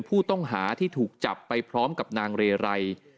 ผู้ต้องหาที่ถูกจับไปพร้อมกับนางเรไร